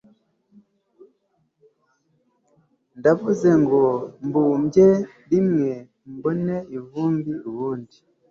ndavuze ngo mpubye rimwe mbone ivumbi ubundi